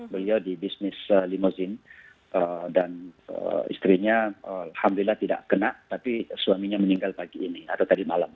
beliau di bisnis limosin dan istrinya alhamdulillah tidak kena tapi suaminya meninggal pagi ini atau tadi malam